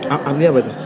artinya apa itu